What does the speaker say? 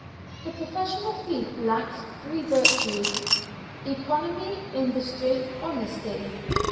The professional thief lacks three virtues economy, industry, honesty.